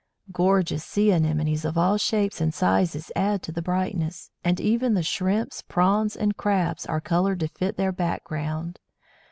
Gorgeous Sea anemones of all shapes and sizes add to the brightness; and even the Shrimps, Prawns, and Crabs are coloured to fit their background.